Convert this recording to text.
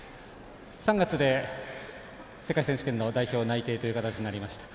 ３月で世界選手権の代表内定ということになりました。